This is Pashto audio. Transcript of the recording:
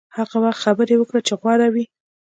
هغه وخت خبرې وکړه چې غوره وي.